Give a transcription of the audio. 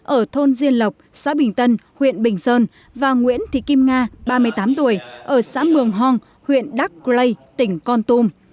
ở thôn diên lộc xã bình tân huyện bình sơn và nguyễn thị kim nga ba mươi tám tuổi ở xã mường hong huyện đắc lây tỉnh con tum